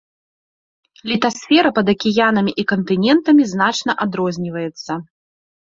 Літасфера пад акіянамі і кантынентамі значна адрозніваецца.